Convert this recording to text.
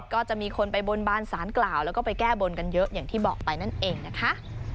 ก็จะมีคนไปบนบานสารกล่าวแล้วก็ไปแก้บนกันเยอะอย่างที่บอกไปนั่นเองนะคะ